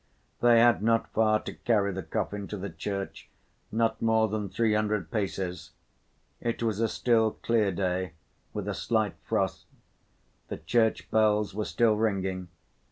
They had not far to carry the coffin to the church, not more than three hundred paces. It was a still, clear day, with a slight frost. The church bells were still ringing.